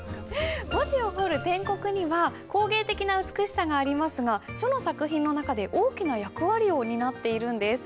文字を彫る篆刻には工芸的な美しさがありますが書の作品の中で大きな役割を担っているんです。